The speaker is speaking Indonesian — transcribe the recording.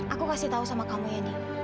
aku kasih tahu sama kamu yandi